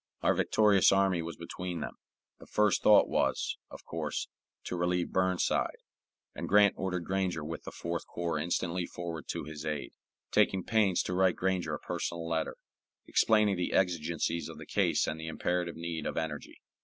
Our victorious army was between them. The first thought was, of course, to relieve Burnside, and Grant ordered Granger with the Fourth Corps instantly forward to his aid, taking pains to write Granger a personal letter, explaining the exigencies of the case and the imperative need of energy.